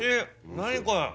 何これ。